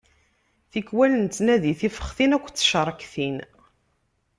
Tikwal nettandi tifextin akked ticeṛktin.